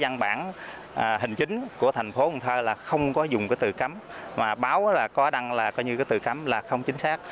trong văn bản hành chính của tp cần thơ là không dùng từ cấm mà báo có đăng là từ cấm là không chính xác